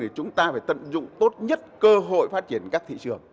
chúng ta phải tận dụng tốt nhất cơ hội phát triển các thị trường